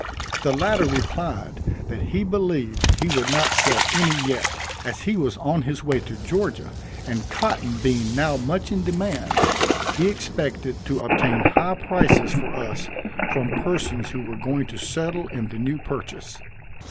The latter replied, that he believed he would not sell any yet, as he was on his way to Georgia, and cotton being now much in demand, he expected to obtain high prices for us from persons who were going to settle in the new purchase.